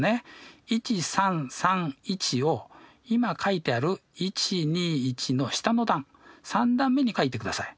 「１３３１」を今書いてある「１２１」の下の段３段目に書いてください。